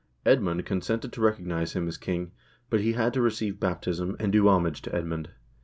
Edmund consented to recognize him as king, but he had to receive baptism, and do homage to Edmund.